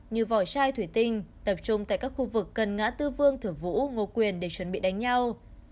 như vỏ chai thủy tinh tập trung tại các khu vực gần ngã tư vương thử vũ ngô quyền để chuẩn bị đánh nhau